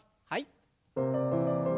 はい。